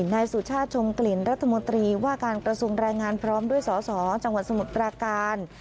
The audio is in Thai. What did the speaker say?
นายสุชาติชมกลิ่นรัฐมนตรีว่าการกระทรวงแรงงานพร้อมด้วยสสจังหวัดสมุทรปราการ